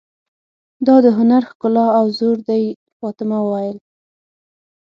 دا د هنر ښکلا او زور دی، فاطمه وویل.